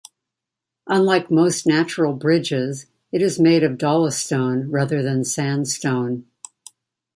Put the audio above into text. Unlike most natural bridges it is made of dolostone rather than sandstone.